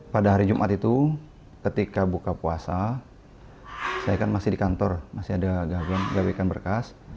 pada hari jumat itu ketika buka puasa saya kan masih di kantor masih ada gawekan berkas